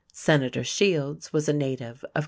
Senator Shields was a native of Co.